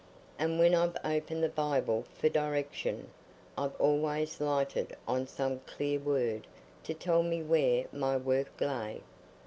And when I've opened the Bible for direction, I've always lighted on some clear word to tell me where my work lay.